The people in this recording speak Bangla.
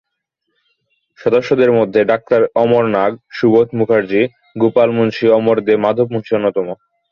সদস্যদের মধ্যে ডাক্তার অমর নাগ, সুবোধ মুখার্জী, গোপাল মুন্সী, অমর দে, মাধব মুন্সী অন্যতম।